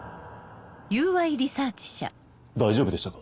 大丈夫でしたか？